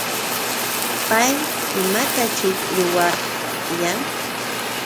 ¿Pay imataćhik ruwayan?